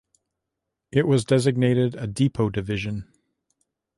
It was designated a depot division.